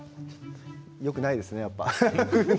よくないです、やっぱり。